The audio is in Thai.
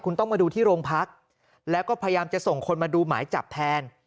คุณต้องมาดูที่โรงพักแล้วก็พยายามจะส่งคนมาดูหมายจับแทน